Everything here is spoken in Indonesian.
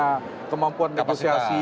dia harus punya kemampuan negosiasi